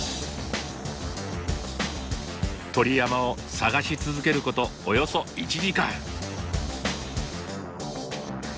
鳥山を探し続けることおよそ１時間。